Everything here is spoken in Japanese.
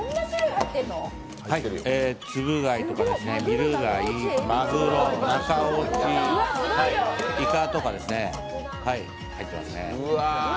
はい、ツブ貝とか、ミル貝、まぐろ、中落ち、いかとか入ってますね。